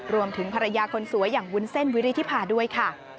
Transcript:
รวมถึงภรรยาคนสวยอย่างวุ้นเส้นวิริธิภาด้วยค่ะ